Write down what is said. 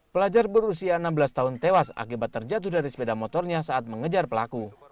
pelajar berusia enam belas tahun tewas akibat terjatuh dari sepeda motornya saat mengejar pelaku